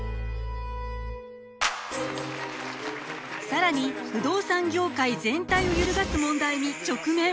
更に不動産業界全体を揺るがす問題に直面！